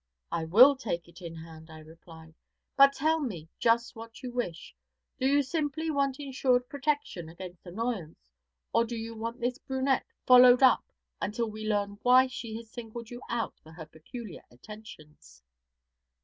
'I will take it in hand,' I replied. 'But tell me just what you wish. Do you simply want insured protection against annoyance, or do you want this brunette followed up until we learn why she has singled you out for her peculiar attentions?'